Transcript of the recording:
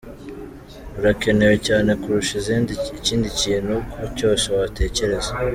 Urakenewe cyane kurusha ikindi kintu cyose watekereza.